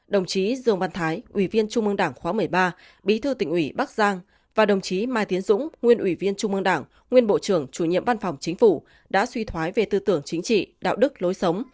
đồng chí dương văn thái ủy viên trung ương đảng khóa một mươi ba bí thư tỉnh ủy bắc giang và đồng chí mai tiến dũng nguyên ủy viên trung ương đảng nguyên bộ trưởng chủ nhiệm văn phòng chính phủ đã suy thoái về tư tưởng chính trị đạo đức lối sống